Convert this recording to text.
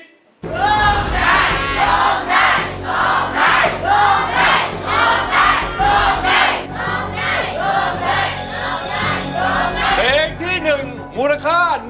ร้องได้ร้องได้ร้องได้ร้องได้ร้องได้ร้องได้